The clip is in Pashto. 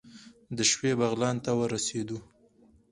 د شپې بغلان ته ورسېدو.